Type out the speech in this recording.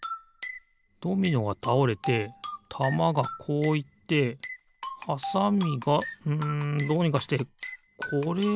ドミノがたおれてたまがこういってはさみがうんどうにかしてこれをおすのかな？